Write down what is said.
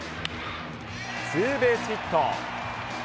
ツーベースヒット。